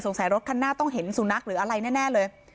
รถคันหน้าต้องเห็นสุนัขหรืออะไรแน่เลย